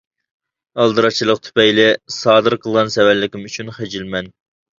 ئالدىراشچىلىق تۈپەيلى سادىر قىلغان سەۋەنلىكىم ئۈچۈن خىجىلمەن!